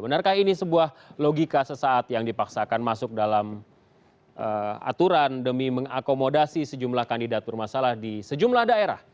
benarkah ini sebuah logika sesaat yang dipaksakan masuk dalam aturan demi mengakomodasi sejumlah kandidat bermasalah di sejumlah daerah